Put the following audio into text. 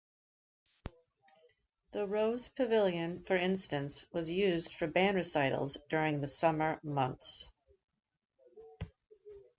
The Rose Pavilion, for instance, was used for band recitals during the summer months.